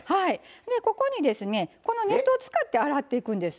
ここにこのネットを使って洗っていくんです。